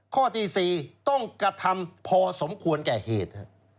ข้อที่๔ต้องกระทำพอสมควรแก่เหตุ